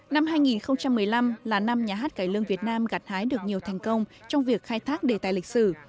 năm hai nghìn một mươi năm là năm nhà hát cải lương việt nam gặt hái được nhiều thành công trong việc khai thác đề tài lịch sử